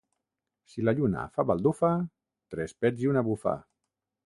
Si la lluna fa baldufa, tres pets i una bufa.